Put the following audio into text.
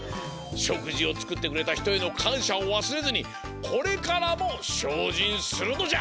しょくじをつくってくれたひとへのかんしゃをわすれずにこれからもしょうじんするのじゃ！